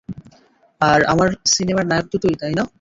আর আমার সিনেমার নায়ক তো তুই, তাই না?